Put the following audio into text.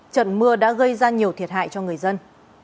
trận mưa đã gây ra nhiều thiệt hại cho người dân